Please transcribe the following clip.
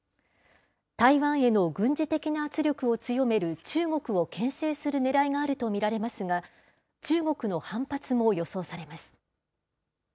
台湾への軍事的な圧力を強める中国をけん制するねらいがあると見られますが、中国の反発も予想されます。